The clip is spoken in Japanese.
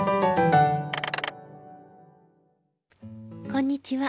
こんにちは。